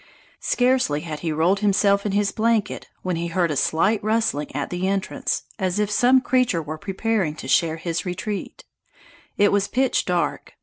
Scarcely had he rolled himself in his blanket when he heard a slight rustling at the entrance, as if some creature were preparing to share his retreat. It was pitch dark.